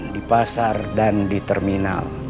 di pasar dan di terminal